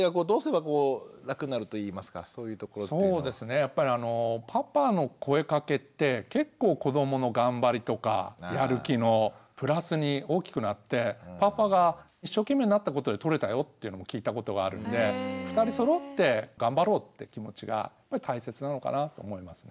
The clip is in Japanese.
やっぱりあのパパの声かけって結構子どもの頑張りとかやる気のプラスに大きくなってパパが一生懸命になったことでとれたよっていうのも聞いたことがあるんで２人そろって頑張ろうって気持ちが大切なのかなと思いますね。